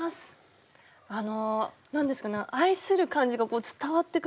あの何ですかね愛する感じがこう伝わってくる。